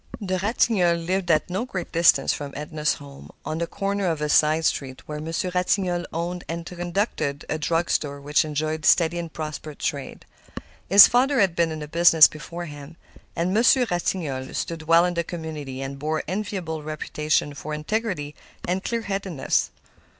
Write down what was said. The Ratignolles lived at no great distance from Edna's home, on the corner of a side street, where Monsieur Ratignolle owned and conducted a drug store which enjoyed a steady and prosperous trade. His father had been in the business before him, and Monsieur Ratignolle stood well in the community and bore an enviable reputation for integrity and clearheadedness.